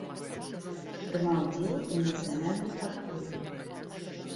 Прымаў удзел у нацыянальным падполлі.